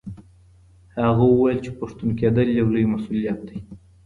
هغه وویل چي پښتون کيدل یو لوی مسولیت دی.